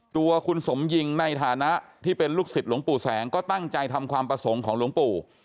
ตัวคุณสมหญิงในฐานะที่เป็นลูกศิษย์หลวงปู่แสงก็ตั้งใจทำความประสงค์ของหลวงปู่